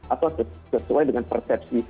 atau sesuai dengan persepsi